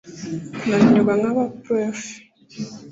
kunanirwa nka parufe